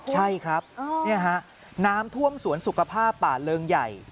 ใช่ครับนี่ฮะน้ำท่วมสวนสุขภาพป่าเริงใหญ่